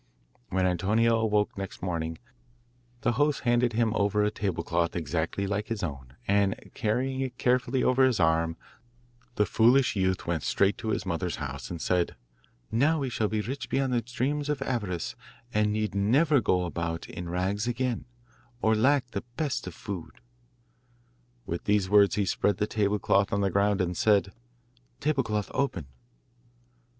When Antonio awoke next morning, the host handed him over a table cloth exactly like his own, and carrying it carefully over his arm, the foolish youth went straight to his mother's house, and said: 'Now we shall be rich beyond the dreams of avarice, and need never go about in rags again, or lack the best of food.' With these words he spread the table cloth on the ground and said, 'Table cloth, open.